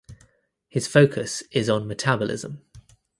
His focus is on metabolism.